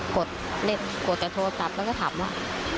กดแต่โทรศัพท์แล้วก็ถามว่า